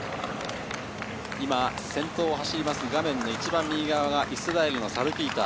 今、先頭を走る画面一番右側がイスラエルのサルピーター。